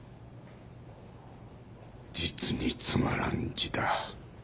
実につまらん字だ。